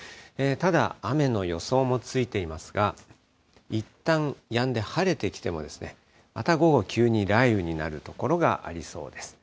ただ、雨の予想もついていますが、いったんやんで晴れてきてもですね、また午後、急に雷雨になる所がありそうです。